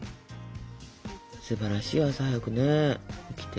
すばらしいよ朝早くね起きて。